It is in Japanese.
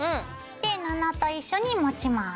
で布と一緒に持ちます。